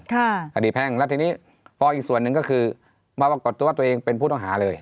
คดีแพ่งแล้วทีนี้พออีกส่วนหนึ่งก็คือมาปรากฏตัวตัวเองเป็นผู้ต้องหาเลย